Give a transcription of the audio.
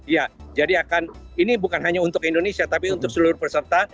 ya jadi akan ini bukan hanya untuk indonesia tapi untuk seluruh peserta